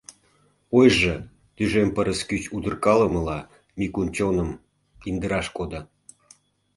Ойжо тӱжем пырыс кӱч удыркалымыла Микун чоным индыраш кодо.